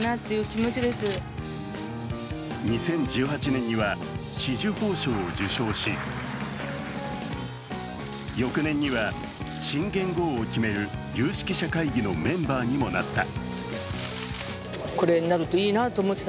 ２０１８年には紫綬褒章を受章し翌年には、新元号を決める有識者会議のメンバーにもなった。